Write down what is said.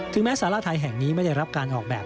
แม้สาราไทยแห่งนี้ไม่ได้รับการออกแบบ